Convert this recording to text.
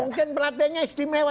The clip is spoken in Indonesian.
mungkin beratanya istimewa